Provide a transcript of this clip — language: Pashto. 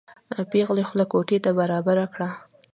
پېغلې خوله کوټې ته برابره کړه.